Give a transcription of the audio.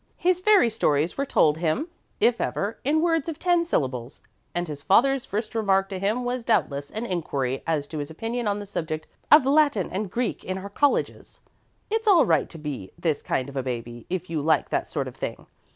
His fairy stories were told him, if ever, in words of ten syllables; and his father's first remark to him was doubtless an inquiry as to his opinion on the subject of Latin and Greek in our colleges. It's all right to be this kind of a baby if you like that sort of thing.